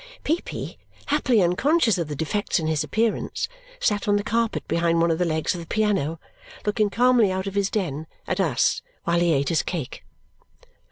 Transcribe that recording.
Peepy, happily unconscious of the defects in his appearance, sat on the carpet behind one of the legs of the piano, looking calmly out of his den at us while he ate his cake.